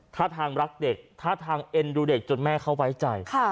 ท่าทางรักเด็กท่าทางเอ็นดูเด็กจนแม่เขาไว้ใจ